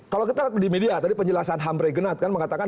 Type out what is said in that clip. kalau kita lihat di media tadi penjelasan hamre genat kan mengatakan